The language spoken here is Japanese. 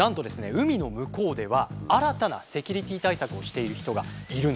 海の向こうでは新たなセキュリティー対策をしている人がいるんです。